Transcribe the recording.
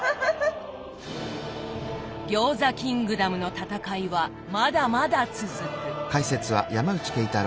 餃子キングダムの戦いはまだまだ続く。